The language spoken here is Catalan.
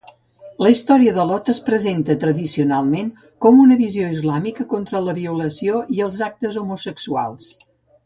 La història de Lot es presenta tradicionalment com una visió islàmica contra la violació i els actes homosexuals.